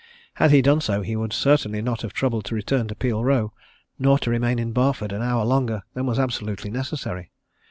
Had he done so, he would certainly not have troubled to return to Peel Row, nor to remain in Barford an hour longer than was absolutely necessary.